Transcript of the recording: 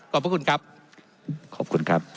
พระคุณครับขอบคุณครับ